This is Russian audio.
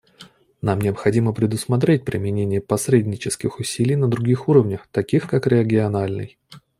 Нам необходимо предусмотреть применение посреднических усилий на других уровнях, таких как региональный.